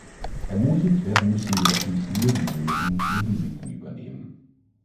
Ermutigt werden müssen jedoch nicht nur diejenigen, die Risiken übernehmen.